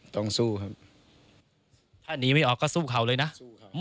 ต้องสู้ครับถ้าหนีไม่ออกก็สู้เขาเลยนะสู้เขา